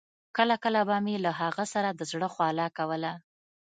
کله کله به مې له هغه سره د زړه خواله کوله.